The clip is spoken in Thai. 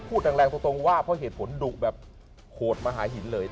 พูดแรงตรงว่าเพราะเหตุผลดุแบบโหดมหาหินเลย